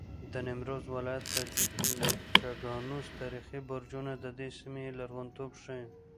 د نیمروز ولایت د چګانوس تاریخي برجونه د دې سیمې لرغونتوب ښیي.